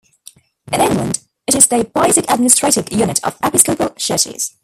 In England, it is the basic administrative unit of episcopal churches.